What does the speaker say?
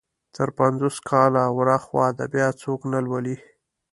تر پنځوس کاله ور اخوا ادبيات څوک نه لولي.